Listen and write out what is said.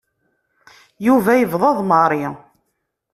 Yuba yebḍa d Mary.